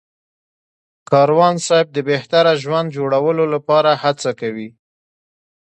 کاروان صاحب د بهتره ژوند جوړولو لپاره هڅه کوي.